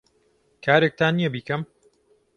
کارێکتان نییە بیکەم؟